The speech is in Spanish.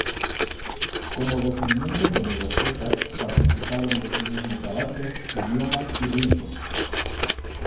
Como descendientes de los aztecas participaron de su mismo carácter, idioma y ritos.